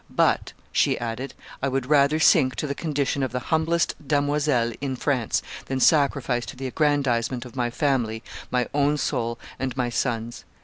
... But," she added, "I would rather sink to the condition of the humblest damoisel in France than sacrifice to the aggrandizement of my family my own soul and my son's."